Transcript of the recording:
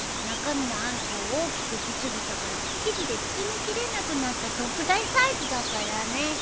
中身のあんこを大きくし過ぎたから生地で包みきれなくなった特大サイズだからね。